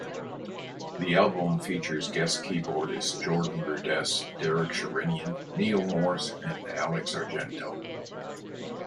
The album features guest keyboardists Jordan Rudess, Derek Sherinian, Neal Morse, and Alex Argento.